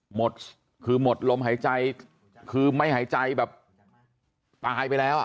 หมดคือหมดลมหายใจคือไม่หายใจแบบตายไปแล้วอ่ะ